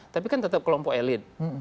tapi kan tetap kelompok elit